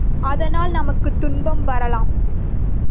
அதனால் நமக்குத் துன்பம் வரலாம்.